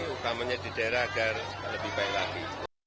utamanya di daerah agar lebih baik lagi